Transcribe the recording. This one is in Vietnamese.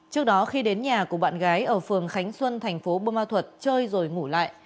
trước đó khi đến nhà của bạn gái ở phường khánh xuân thành phố bô ma thuật chơi rồi ngủ lại